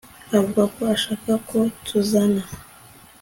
Avuga ko ashaka ko tuzana